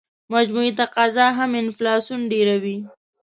مجموعي تقاضا هم انفلاسیون ډېروي.